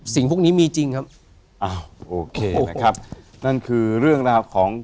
สิ่งพวกนี้มีจริงครับอ้าวโอเคนะครับนั่นคือเรื่องราวของ